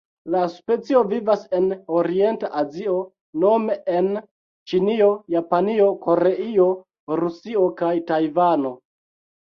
La specio vivas en Orienta Azio nome en Ĉinio, Japanio, Koreio, Rusio kaj Tajvano.